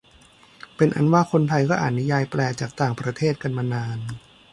เป็นอันว่าคนไทยก็อ่านนิยายแปลจากต่างประเทศกันมานาน